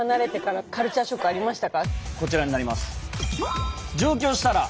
こちらになります。